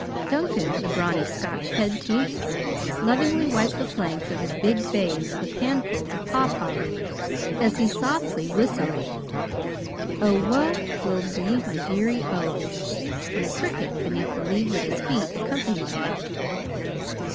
Duncan, the brawny Scotch head teamster, lovingly wiped the flanks of his big bays with handfuls of pawpaw leaves, as he softly whistled, "O wha will be my dearie, O!" and a cricket beneath the leaves at his feet accompanied him.